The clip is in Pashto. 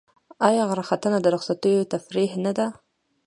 آیا غره ختنه د رخصتیو تفریح نه ده؟